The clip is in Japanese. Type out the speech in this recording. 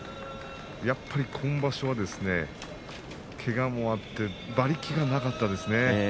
やはり今場所はけがもあって馬力がなかったですね。